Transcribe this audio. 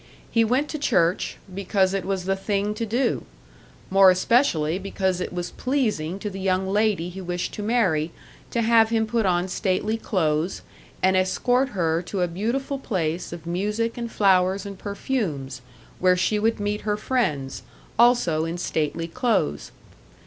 He went to church, because it was the thing to do; more especially because it was pleasing to the young lady he wished to marry to have him put on stately clothes, and escort her to a beautiful place of music and flowers and perfumes, where she would meet her friends, also in stately clothes.